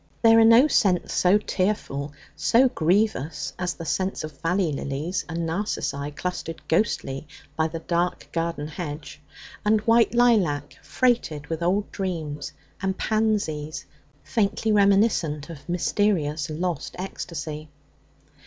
There are no scents so tearful, so grievous, as the scents of valley lilies and narcissi clustered ghostly by the dark garden hedge, and white lilac, freighted with old dreams, and pansies, faintly reminiscent of mysterious lost ecstasy.